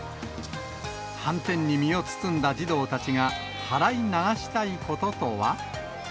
はんてんに身を包んだ児童たちがはらい流したいこととは。